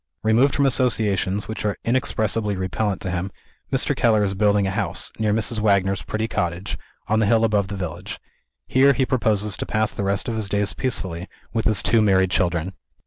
Removed from associations which are inexpressibly repellent to him, Mr. Keller is building a house, near Mrs. Wagner's pretty cottage, on the hill above the village. Here he proposes to pass the rest of his days peacefully, with his two married children.